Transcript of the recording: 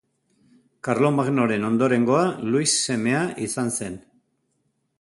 Karlomagnoren ondorengoa Luis semea izan zen.